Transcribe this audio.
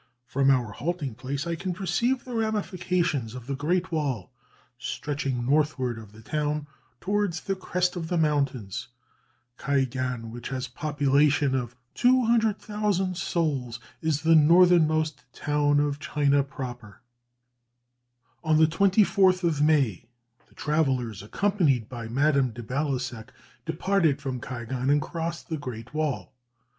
From our halting place I can perceive the ramifications of the Great Wall, stretching northward of the town towards the crest of the mountains. Kaigan, which has a population of 200,000 souls, is the northernmost town of China proper." On the 24th of May, the travellers, accompanied by Madame de Baluseck, departed from Kaigan and crossed the Great Wall.